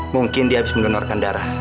mungkin dia habis mendonorkan darah